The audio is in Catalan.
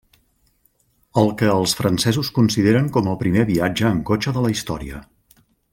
El que els francesos consideren com el primer viatge en cotxe de la història.